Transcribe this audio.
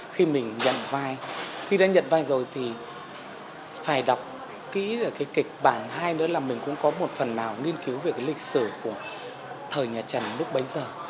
khi mình nhận vai khi đã nhận vai rồi thì phải đọc kỹ được cái kịch bản hai nữa là mình cũng có một phần nào nghiên cứu về cái lịch sử của thời nhà trần lúc bấy giờ